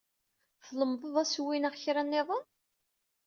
Tlemdeḍ asewwi neɣ kra nniḍen?